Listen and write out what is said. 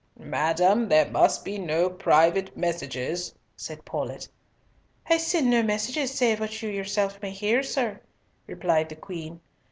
"Madam, there must be no private messages," said Paulett. "I send no messages save what you yourself may hear, sir," replied the Queen.